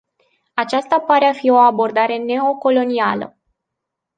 Aceasta pare a fi o abordare neocolonială.